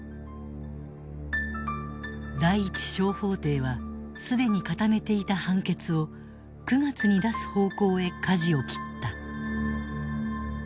第一小法廷は既に固めていた判決を９月に出す方向へ舵を切った。